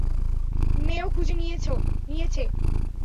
মেয়েও খুঁজে নিয়েছে।